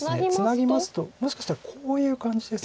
ツナぎますともしかしたらこういう感じですか。